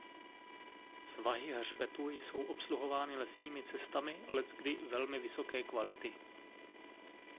Svahy hřbetu jsou obsluhovány lesními cestami leckdy velmi vysoké kvality.